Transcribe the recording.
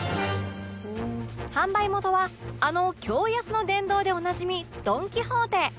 販売元はあの「驚安の殿堂」でおなじみドン・キホーテ